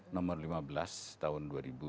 nomor lima belas tahun dua ribu dua puluh